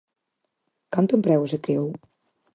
¿Canto emprego se creou?